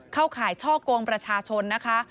ข่ายช่อกงประชาชนนะคะ